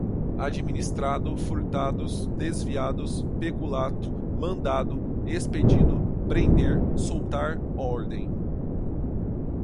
administrado, furtados, desviados, peculato, mandado, expedido, prender, soltar, ordem